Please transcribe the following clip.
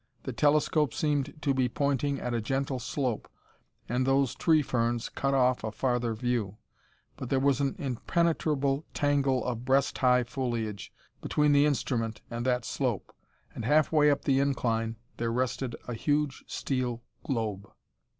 The telescope seemed to be pointing at a gentle slope, and those tree ferns cut off a farther view, but there was an impenetrable tangle of breast high foliage between the instrument and that slope, and halfway up the incline there rested a huge steel globe.